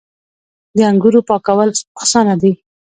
د انګورو پاکول اسانه دي.